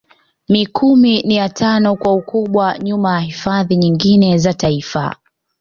Mikumi ni ya tano kwa ukubwa nyuma ya hifadhi nyingine za Taifa